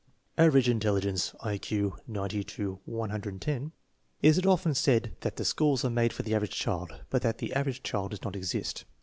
Average intelligence (I Q 90 to 110). It is often said that the schools are made for the average child, but that "the average child does not exist."